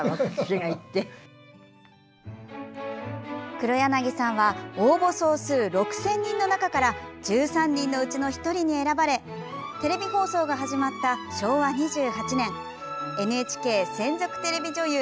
黒柳さんは応募総数６０００人の中から１３人のうちの１人に選ばれテレビ放送が始まった昭和２８年ＮＨＫ専属テレビ女優